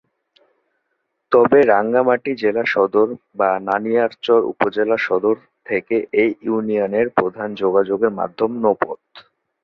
তবে রাঙ্গামাটি জেলা সদর বা নানিয়ারচর উপজেলা সদর থেকে এ ইউনিয়নের প্রধান যোগাযোগ মাধ্যম নৌপথ।